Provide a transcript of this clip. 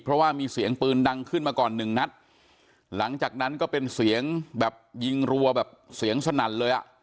เพราะว่ามีเสียงปืนดังขึ้นมาก่อนหนึ่งนัดหลังจากนั้นก็เป็นเสียงแบบยิงรัวแบบเสียงสนั่นเลยอ่ะ